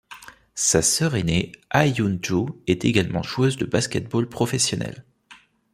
Sa sœur aînée, Ha Eun-Joo, est également joueuse de basket-ball professionnelle.